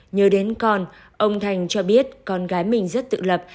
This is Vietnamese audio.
nhớ đến con ông thành cho biết con gái mình rất tự lập